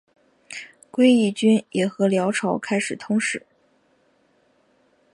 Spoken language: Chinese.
归义军也和辽朝开始通使。